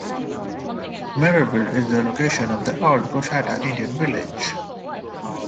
Merryville is the location of the old Coushatta Indian village.